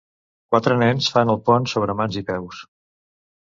Quatre nens fan el pont sobre mans i peus.